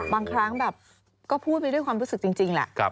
บางครั้งแบบก็พูดไปด้วยความรู้สึกจริงแหละ